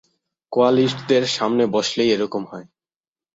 কোয়ালিস্টদের সামনে বসলেই এরকম হয়।